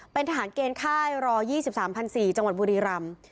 เป็นทหารเกณฑ์ค่ายรอ๒๓๔๐๐จังหวัดบุรีรำ